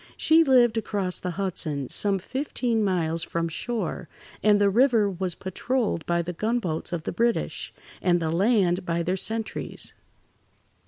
She lived across the Hudson, some fifteen miles from shore, and the river was patrolled by the gunboats of the British, and the land by their sentries.